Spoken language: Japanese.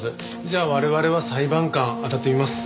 じゃあ我々は裁判官あたってみます。